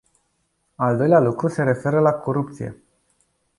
Al doilea lucru se referă la corupție.